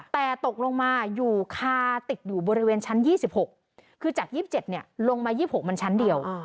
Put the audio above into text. แต่ตกลงมาอยู่คาติดอยู่บริเวณชั้น๒๖คือจาก๒๗ลงมา๒๖มันชั้นเดียว